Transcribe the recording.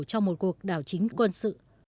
trong một cuộc đảo chính quân sự